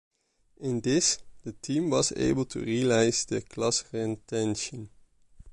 In this, the team was able to realize the class retention.